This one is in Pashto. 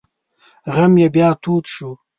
غم یې بیا تود شو.